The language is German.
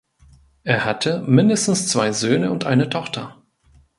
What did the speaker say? Er hatte mindestens zwei Söhne und eine Tochter.